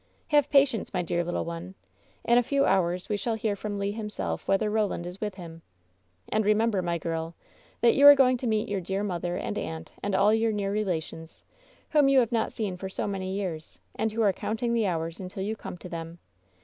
Have patience, my dear little one. In a few hours we shall hear from Le himself whether Roland is with hiuL And remember, my girl, that you are going WHEN SHADOWS DIE 69 to meet your dear mother and aunt, and all your near relations, whom you have not seen for so many years, and who are counting the hours until you come to them.